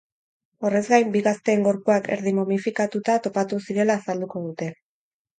Horrez gain, bi gazteen gorpuak erdi momifikatuta topatu zirela azalduko dute.